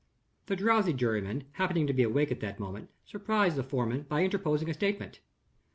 The drowsy juryman, happening to be awake at that moment, surprised the foreman by interposing a statement.